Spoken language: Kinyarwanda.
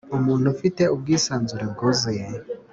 umuntu Ufite ubwisanzure bwuzuye